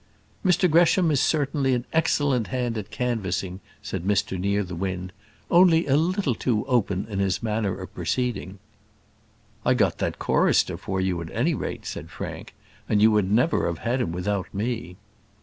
"Mr Gresham is certainly an excellent hand at canvassing," said Mr Nearthewinde; "only a little too open in his manner of proceeding." "I got that chorister for you at any rate," said Frank. "And you would never have had him without me."